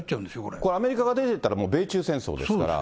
これアメリカが出ていったら、もう米中戦争ですから。